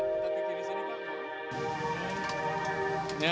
kita ke kiri sini pak